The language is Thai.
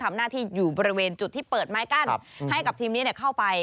ไม้กั้นให้กับทีมนี้เข้าไป